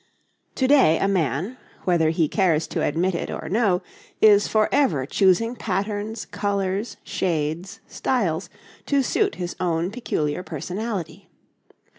To day a man, whether he cares to admit it or no, is for ever choosing patterns, colours, shades, styles to suit his own peculiar personality.